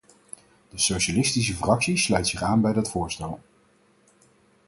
De socialistische fractie sluit zich aan bij dat voorstel.